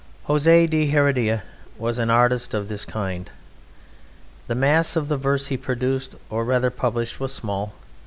José de Heredia was an artist of this kind. The mass of the verse he produced, or rather published, was small.